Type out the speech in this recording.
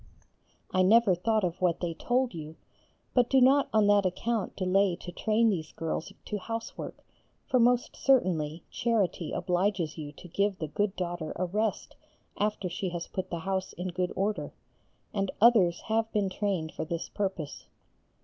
I never thought of what they told you, but do not on that account delay to train these girls to housework, for most certainly charity obliges you to give the good daughter a rest after she has put the house in good order, and others have been trained for this purpose.